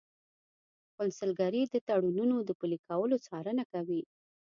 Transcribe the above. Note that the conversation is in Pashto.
قونسلګرۍ د تړونونو د پلي کولو څارنه کوي